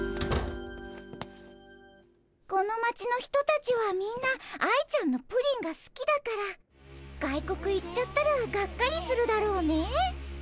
この町の人たちはみんな愛ちゃんのプリンがすきだから外国行っちゃったらがっかりするだろうね。